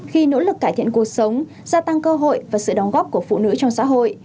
khi nỗ lực cải thiện cuộc sống gia tăng cơ hội và sự đóng góp của phụ nữ trong xã hội